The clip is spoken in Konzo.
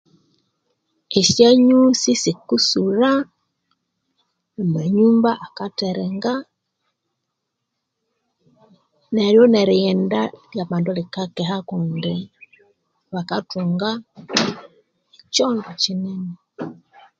Esyonyusi sikusulha amanyumba akatherenga neryo nerighenda lyabandu likakeha kundi bakathunga echondo.